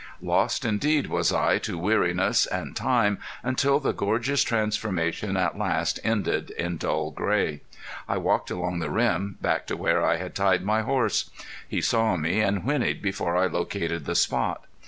Lost indeed was I to weariness and time until the gorgeous transformation at last ended in dull gray. I walked along the rim, back to where I had tied my horse. He saw me and whinnied before I located the spot.